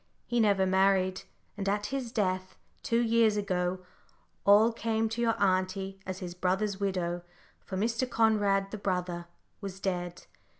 He never married, and at his death, two years ago, all came to your auntie as his brother's widow, for Mr. Conrad, the brother, was dead.